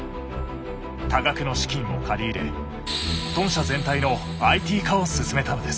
多額の資金を借り入れ豚舎全体のＩＴ化を進めたのです。